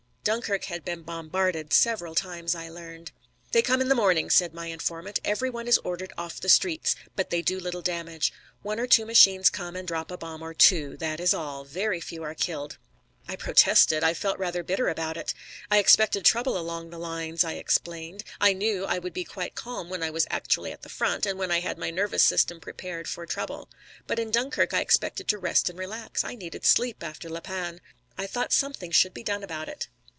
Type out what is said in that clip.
Dunkirk had been bombarded several times, I learned. "They come in the morning," said my informant. "Every one is ordered off the streets. But they do little damage. One or two machines come and drop a bomb or two. That is all. Very few are killed." I protested. I felt rather bitter about it. I expected trouble along the lines, I explained. I knew I would be quite calm when I was actually at the front, and when I had my nervous system prepared for trouble. But in Dunkirk I expected to rest and relax. I needed sleep after La Panne. I thought something should be done about it.